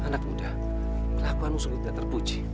anak muda kelakuan musuh tidak terpuji